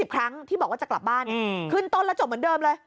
ครั้งที่บอกว่าจะกลับบ้านขึ้นต้นแล้วจบเหมือนเดิมเลย